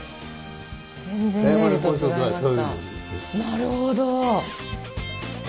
なるほど。